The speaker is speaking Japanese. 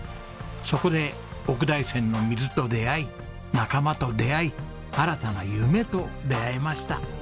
そこで奥大山の水と出会い仲間と出会い新たな夢と出会えました。